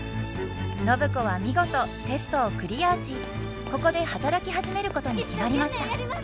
暢子は見事テストをクリアしここで働き始めることに決まりました。